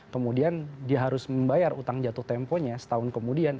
kemudian dia harus membayar utang jatuh temponya setahun kemudian